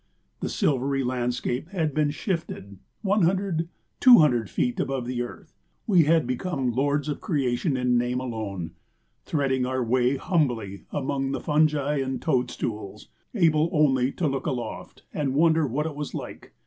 The silvery landscape had been shifted one hundred, two hundred feet above the earth. We had become lords of creation in name alone, threading our way humbly among the fungi and toad stools, able only to look aloft and wonder what it was like.